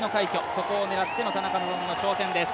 そこを狙っての田中希実の挑戦です。